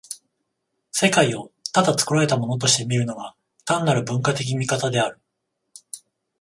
世界をただ作られたものとして見るのが、単なる文化的見方である。